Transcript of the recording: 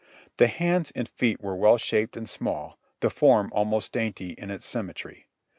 The hands and feet were well shaped and small, the form almost dainty in its symmetry.